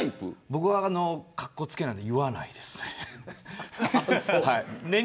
僕は、かっこつけるので言わないですね。